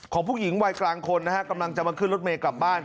ผู้หญิงวัยกลางคนนะฮะกำลังจะมาขึ้นรถเมย์กลับบ้าน